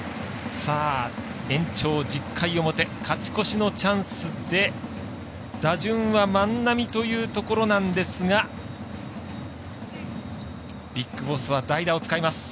延長１０回の表勝ち越しのチャンスで打順は万波というところですがＢＩＧＢＯＳＳは代打を使います。